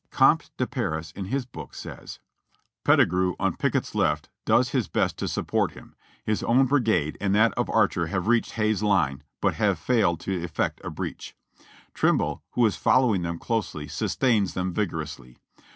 Comte de Paris in his book says (p. 216) : "Pettigrew on Pickett's left does his best to support him. Plis own brigade and that of Archer have reached Hay's line but have failed to effect a breach. Trimble, who is following them closely, sustains them vigorously.